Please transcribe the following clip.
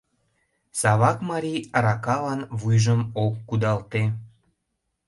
Савак марий аракалан вуйжым ок кудалте.